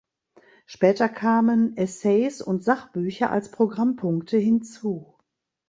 Später kamen Essays und Sachbücher als Programmpunkte hinzu.